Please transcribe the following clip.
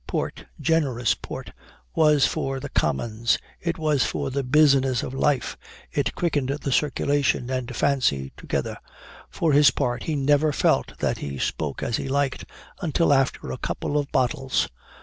Port, generous port, was for the Commons it was for the business of life it quickened the circulation and fancy together. For his part, he never felt that he spoke as he liked, until after a couple of bottles.